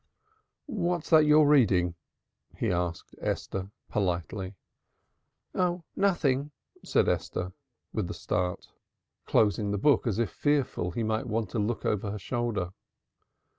"What's that you're reading?" he asked Esther politely. "Oh nothing," said Esther with a start, closing the book as if fearful he might want to look over her shoulder.